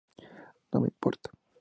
No me importa!